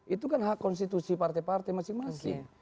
itu kan hak konstitusi partai partai masing masing